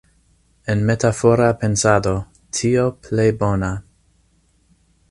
En metafora pensado "tio plej bona".